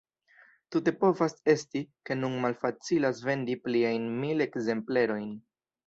Tute povas esti, ke nun malfacilas vendi pliajn mil ekzemplerojn.